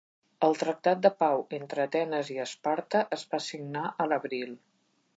El tractat de pau entre Atenes i Esparta es va signar a l'abril.